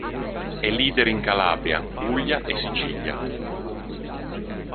È leader in Calabria, Puglia e Sicilia.